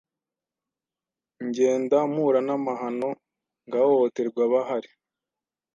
Ngenda mpura n’amahano Ngahohoterwa bahari